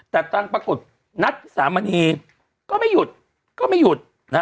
แต่ตอนปรากฏนัทสามณีก็ไม่หยุดก็ไม่หยุดนะฮะ